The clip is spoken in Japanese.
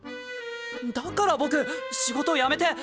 だから僕仕事辞めて！